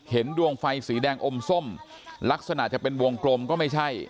ดวงไฟสีแดงอมส้มลักษณะจะเป็นวงกลมก็ไม่ใช่